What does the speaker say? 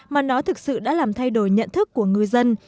mà nó thực sự đã làm thay đổi nhận thức của người dân